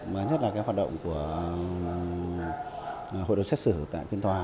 mà nhất là cái hoạt động của hội đồng xét xử tại phiên tòa